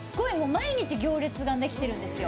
毎日行列ができてるんですよ。